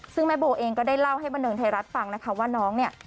ซึ่งแม่โบเองก็ได้เล่าให้บันเทิงไทยรัฐฟังนะคะว่าน้องเนี่ย